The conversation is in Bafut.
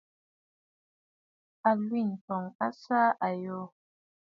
Àlwintɔŋ a saà àyoò.